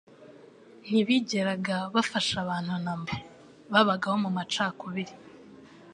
ntibigeraga bafasha abantu namba; babagaho mu macakubiri.